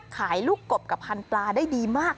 ขายลูกกบกับพันธุ์ปลาได้ดีมาก